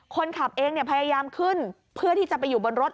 คนขับเองพยายามขึ้นเพื่อที่จะไปอยู่บนรถ